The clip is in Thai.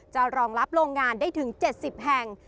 รองรับโรงงานได้ถึง๗๐แห่ง